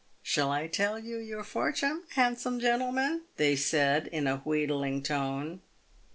" Shall I tell you your fortune, handsome gentleman ?" they said, in a wheedling tone.